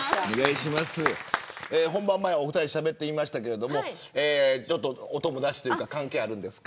本番前、お二人でしゃべっていましたけどお友達というか関係あるんですか。